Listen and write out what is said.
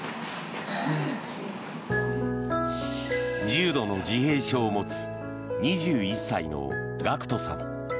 重度の自閉症を持つ２１歳の楽音さん。